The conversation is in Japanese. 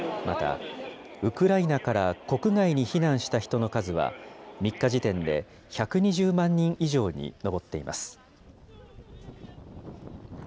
また、ウクライナから国外に避難した人の数は、３日時点で１２０万人以上に上っています。